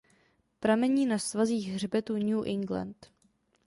Pramení na svazích hřbetu New England.